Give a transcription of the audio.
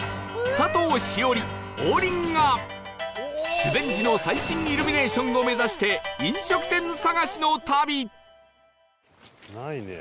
修善寺の最新イルミネーションを目指して飲食店探しの旅